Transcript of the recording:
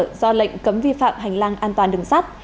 do lệnh cấm vi phạm hành lang an toàn đường sắt